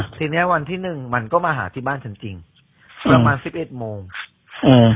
ทีเนี้ยวันที่หนึ่งมันก็มาหาที่บ้านฉันจริงประมาณสิบเอ็ดโมงอืม